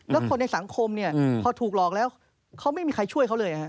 แล้วคนในสังคมเนี่ยพอถูกหลอกแล้วเขาไม่มีใครช่วยเขาเลย